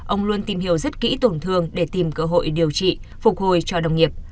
ông luôn tìm hiểu rất kỹ tổn thương để tìm cơ hội điều trị phục hồi cho đồng nghiệp